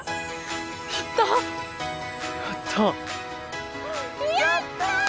やったやったやったー！